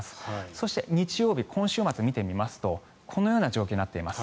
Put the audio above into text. そして日曜日今週末を見てみますとこのような状況になっています。